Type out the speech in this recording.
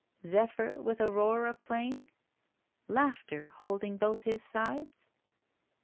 Zephyr with Aurora playing? Laughter holding both hi^ sides?